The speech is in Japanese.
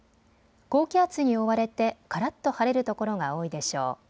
高気圧に覆われてからっと晴れる所が多いでしょう。